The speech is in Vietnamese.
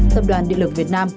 tập đoàn điện lực việt nam